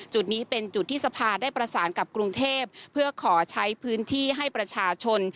จุดนี้เป็นจุดที่สภาได้ประสานกับกรุงเทพเพื่อขอใช้พื้นที่ให้ประชาชน